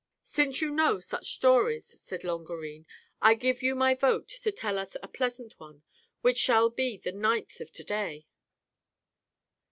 "Since you know such stories," said Longarine, " I give you my vote to tell us a pleasant one, which shall be the ninth of to day."